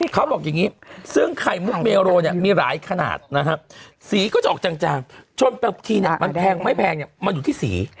เขาบอกอย่างนี้ซึ่งไข่มุกเมโรเนี่ยมีหลายขนาดนะครับสีก็จะออกจางจนทีเนี่ยมันแพงไม่แพงเนี่ยมันอยู่ที่สี